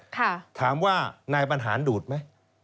ถามว่านายบรรหารดูดไหม